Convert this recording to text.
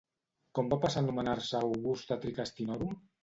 Com va passar a anomenar-se Augusta Tricastinorum?